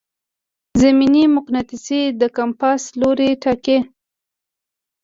زمیني مقناطیس د کمپاس لوری ټاکي.